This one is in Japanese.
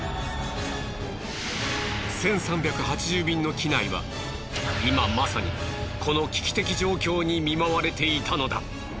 １３８０便の機内は今まさにこの危機的状況に見舞われていたのだ。